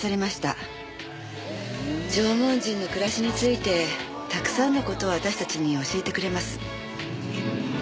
縄文人の暮らしについてたくさんの事を私たちに教えてくれます。